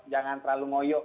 jangan terlalu ngoyo